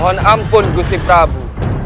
mohon ampun gusti prabu